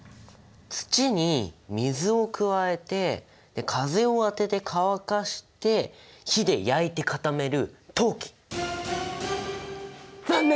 土に水を加えて風を当てて乾かして火で焼いて固める残念！